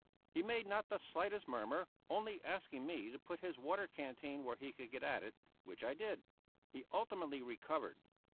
He made not the slightest murmur, only asking me to put his water canteen where he could get at it, which I did; he ultimately recovered.